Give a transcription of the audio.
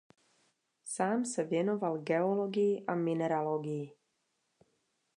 Sám se věnoval geologii a mineralogii.